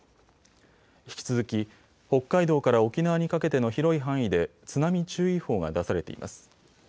引き続き北海道から沖縄にかけての広い範囲で津波注意報が出されています。